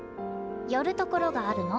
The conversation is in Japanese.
寄るところがあるの。